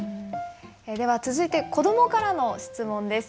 では続いて子どもからの質問です。